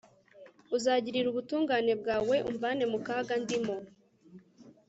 uzagirira ubutungane bwawe umvane mu kaga ndimo